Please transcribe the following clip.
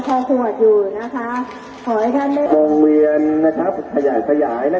อยู่ด้านข้างมามาจากบริการทุกท่านนะครับ